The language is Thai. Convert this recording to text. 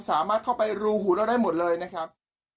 สามารถเข้าไปรูหูเราได้หมดเลยนะครับ